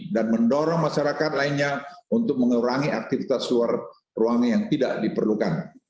dan mendorong masyarakat lainnya untuk mengurangi aktivitas luar ruang yang tidak diperlukan